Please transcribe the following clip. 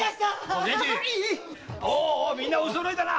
みんなおそろいだな！